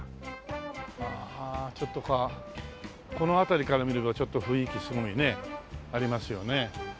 ああちょっとこうこの辺りから見るとちょっと雰囲気すごいねありますよね。